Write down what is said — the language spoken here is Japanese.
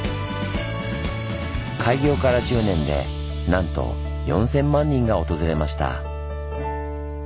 開業から１０年でなんと４，０００万人が訪れました。